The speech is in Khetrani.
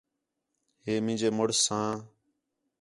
ہے مینجے مُݨس ساں